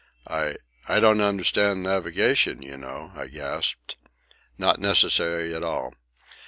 "I—I don't understand navigation, you know," I gasped. "Not necessary at all."